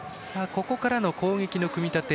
ここからの攻撃の組み立て。